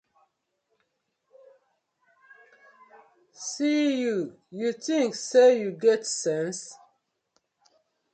See yu, yu tink say yu get sence.